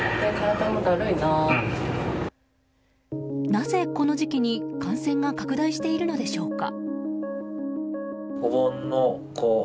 なぜこの時期に感染が拡大しているのでしょうか。